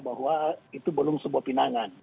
bahwa itu belum sebuah pinangan